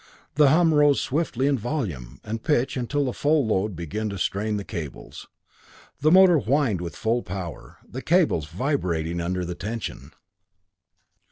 The hum rose swiftly in volume and pitch till the full load began to strain the cables. The motor whined with full power, the cables vibrating under the tension.